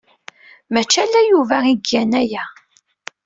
Mačči ala Yuba i igan aya.